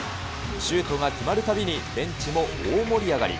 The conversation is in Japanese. シュートが決まるたびにベンチも大盛り上がり。